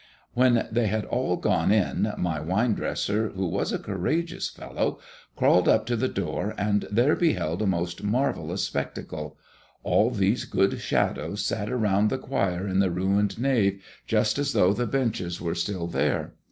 When they had all gone in, my wine dresser, who was a courageous fellow, crawled up to the door and there beheld a most marvellous spectacle. All these good shadows sat around the choir in the ruined nave just as though the benches were still there.